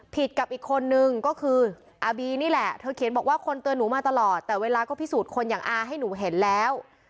กับอีกคนนึงก็คืออาบีนี่แหละเธอเขียนบอกว่าคนเตือนหนูมาตลอดแต่เวลาก็พิสูจน์คนอย่างอาให้หนูเห็นแล้ว